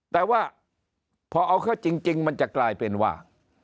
แต่ว่าพอเอาเข้าจริงมันจะกลายเป็นว่า